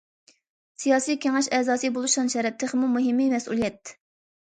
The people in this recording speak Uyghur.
سىياسىي كېڭەش ئەزاسى بولۇش شان- شەرەپ، تېخىمۇ مۇھىمى مەسئۇلىيەت.